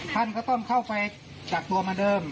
ท่านก็ต้องเข้าไปกักตัวเหมือนเดิม